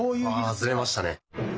ああずれましたね。